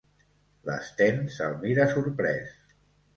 L'Sten se'l mira sorprès.